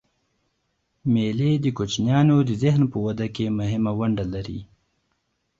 مېلې د کوچنيانو د ذهن په وده کښي مهمه ونډه لري.